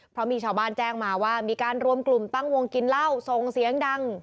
เพราะมีชาวบ้านแจ้งมาว่ามีการรวมกลุ่มตั้งวงกินเหล้าส่งเสียงดัง